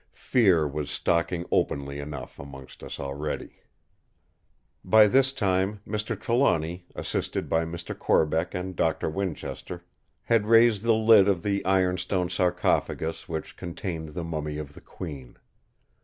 Fear was stalking openly enough amongst us already! By this time Mr. Trelawny, assisted by Mr. Corbeck and Doctor Winchester, had raised the lid of the ironstone sarcophagus which contained the mummy of the Queen.